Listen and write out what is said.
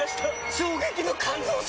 衝撃の感動作！